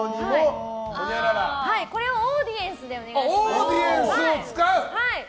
これをオーディエンスでお願いします。